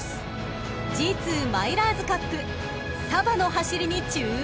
［ＧⅡマイラーズカップサヴァの走りに注目］